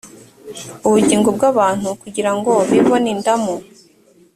ubugingo bw abantu kugira ngo bibone indamu